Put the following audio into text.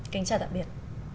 kính chào tạm biệt